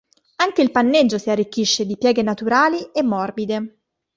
Anche il panneggio si arricchisce di pieghe naturali e morbide.